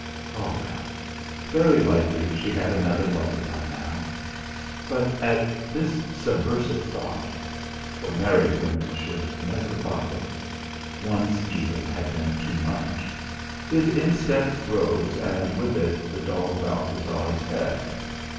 Ah, well! Very likely she had another lover by now. But at this subversive thought for married women should never love: once, even, had been too much his instep rose, and with it the dog Balthasar's head.